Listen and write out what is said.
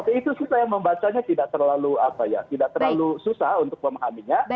tapi itu saya membacanya tidak terlalu apa ya tidak terlalu susah untuk memahaminya